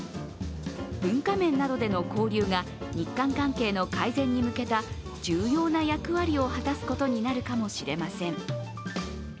文化面などでの交流が日韓関係の改善に向けた重要な役割を果たすことになるかもしれません。